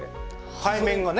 海面がね。